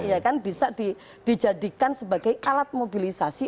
dana desa bisa dijadikan sebagai alat mobilisasi